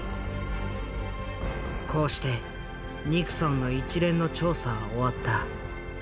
こうしてニクソンの一連の調査は終わった。